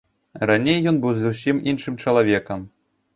Раней ён быў зусім іншым чалавекам.